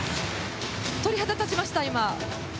鳥肌立ちました。